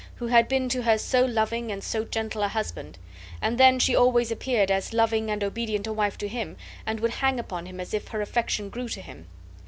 who had been to her so loving and so gentle a husband! and then she always appeared as loving and obedient a wife to him, and would hang upon him as if her affection grew to him.